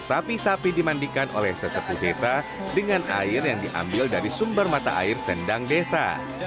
sapi sapi dimandikan oleh sesepuh desa dengan air yang diambil dari sumber mata air sendang desa